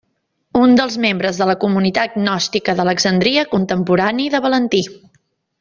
Un dels membres de la comunitat gnòstica d'Alexandria contemporani de Valentí.